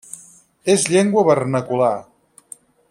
És llengua vernacular.